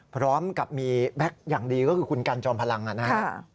พร้อมกับมีแบ็คอย่างดีก็คือคุณกันจอมพลังนะครับ